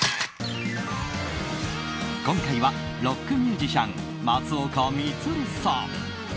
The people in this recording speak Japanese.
今回はロックミュージシャン松岡充さん。